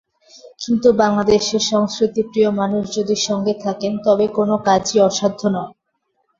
কিন্তু বাংলাদেশের সংস্কৃতিপ্রিয় মানুষ যদি সঙ্গে থাকেন, তবে কোনো কাজই অসাধ্য নয়।